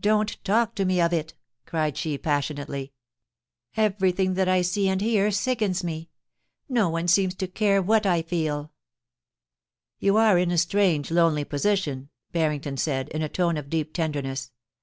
Don't talk to me of it,' cried she, passionately. * Every 240 POLICY AND PASS/OX. thing that I see and hear sickens me. No one seems to care what I feeL' * You are in a strange, lonely position,' Barrington said, in a tone of deep tenderness.